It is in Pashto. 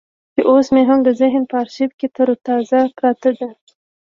چې اوس مې هم د ذهن په ارشيف کې ترو تازه پرته ده.